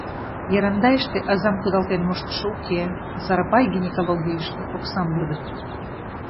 Ярандайыште азам кудалтен моштышо уке, а Сарапай гинекологийыште оксам йодыт.